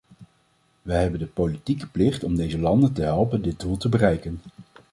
Wij hebben de politieke plicht om deze landen te helpen dit doel te bereiken.